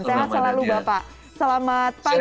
selamat selalu bapak selamat pagi pak